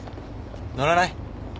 乗らない？